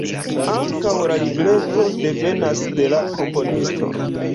Ankaŭ la libreto devenas de la komponisto.